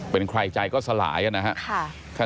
เป็นใครใจก็สลายนะฮะ